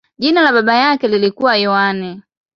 Jina la baba yake lilikuwa Yohane.